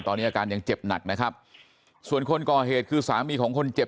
ตอนนี้อาการยังเจ็บหนักนะครับส่วนคนก่อเหตุคือสามีของคนเจ็บ